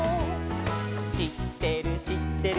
「しってるしってる」